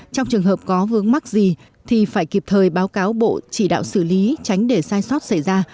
trong trường hợp có vướng mắc gì thì phải kịp thời báo cáo bộ chỉ đạo xử lý tránh để sai sót xảy ra